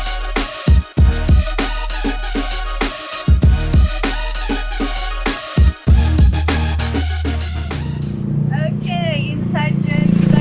saya ditemani oleh jerry winata